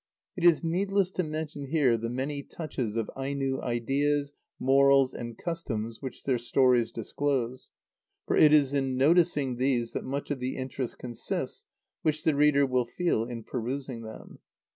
It is needless to mention here the many touches of Aino ideas, morals, and customs, which their stories disclose, for it is in noticing these that much of the interest consists which the reader will feel in perusing them.